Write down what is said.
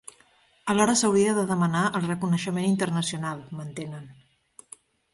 Alhora s’hauria de demanar el reconeixement internacional, mantenen.